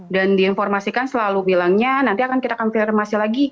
dan di informasikan selalu bilangnya nanti akan kita konfirmasi lagi